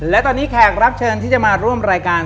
และตอนนี้แขกรับเชิญที่จะมาร่วมรายการ